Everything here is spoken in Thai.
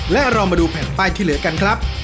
และเรามาดูแผ่นป้ายที่เหลือกันครับ